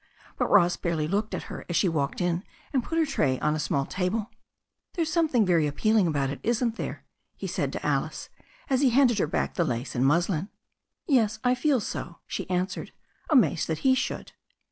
But Ross barely looked at her as she walked in and put her tray on a small table. "There's something very appealing about it, isn't there?" he said to Alice, as he handed her back the lace and muslin. "Yes, I feel so," she answered, amazed that he should.